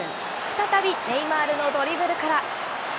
再びネイマールのドリブルから。